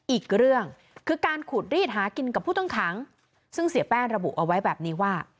อีกเรื่องคือการขูดรีดหากินกับผู้ต้องขังซึ่งเสียแป้งระบุเอาไว้แบบนี้ว่า